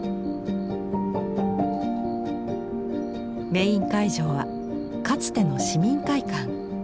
メイン会場はかつての市民会館。